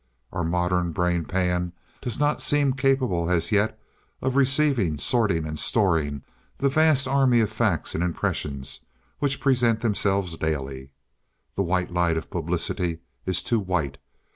Our modern brain pan does not seem capable as yet of receiving, sorting, and storing the vast army of facts and impressions which present themselves daily. The white light of publicity is too white.